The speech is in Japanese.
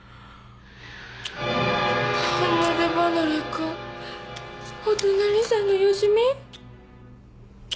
離れ離れかお隣さんのよしみ？